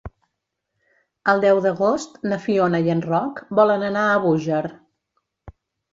El deu d'agost na Fiona i en Roc volen anar a Búger.